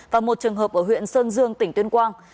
và một trường hợp ở huyện sơn dương tỉnh tuyên quang